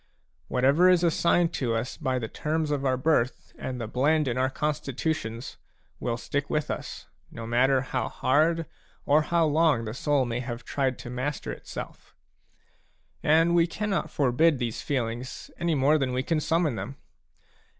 Whatever is assigned to us by the terms of our birth and the blend in our constitutions, will stick with us, no matter how hard or how long the soul may have tried to master itself. And we cannot forbid these feelings any more than we can summon them.